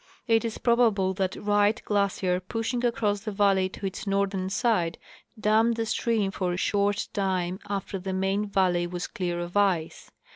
It is probable that AVrightf glacier, pushing across the valley to its northern side, dammed the stream for a short time after the main valley was clear of ice.